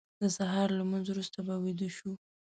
د سهار لمونځ وروسته به ویده شو.